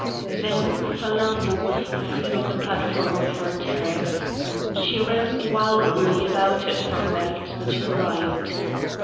Then Salammbô was seen on the platform of her terrace. She ran wildly about it from left to right.